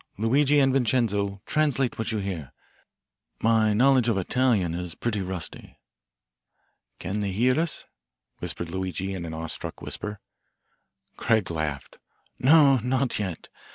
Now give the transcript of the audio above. Luigi and Vincenzo, translate what you hear. My knowledge of Italian is pretty rusty." "Can they hear us?" whispered Luigi in an awe struck whisper. Craig laughed. "No, not yet.